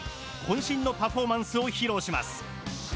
渾身のパフォーマンスを披露します！